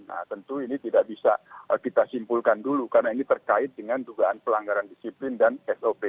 nah tentu ini tidak bisa kita simpulkan dulu karena ini terkait dengan dugaan pelanggaran disiplin dan sop